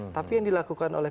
tapi yang dilakukan oleh